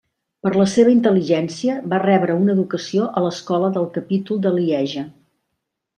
Per la seva intel·ligència va rebre una educació a l'escola del capítol de Lieja.